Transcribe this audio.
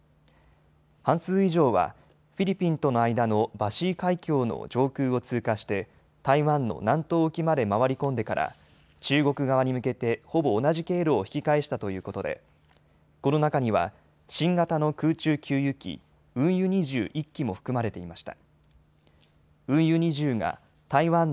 半数以上はフィリピンとの間のバシー海峡の上空を通過して台湾の南東沖まで回り込んでから中国側に向けてほぼ同じ経路を引き返したということでこの中には新型の空中給油機、運油２０、１機も含まれていました。